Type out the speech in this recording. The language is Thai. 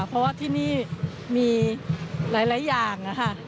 เพราะว่าที่นี่มีหลายอย่างนะคะ